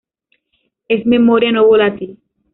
Es memoria no volátil.